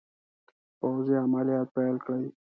پوځي عملیات پیل کړي.